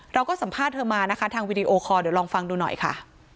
เราก็สัมภาษณ์เธอมานะคะทางวีดีโอคอร์เดี๋ยวลองฟังดูหน่อยค่ะ